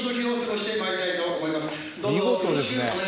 「見事ですね。